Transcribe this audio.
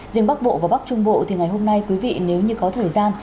riêng bắc bộ và bắc trung bộ thì ngày hôm nay quý vị nếu như có thời gian